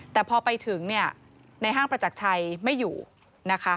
แต่พอไปถึงเนี่ยในห้างประจักรชัยไม่อยู่นะคะ